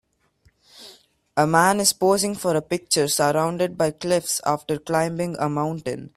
A man is posing for a picture surrounded by cliffs after climbing a mountain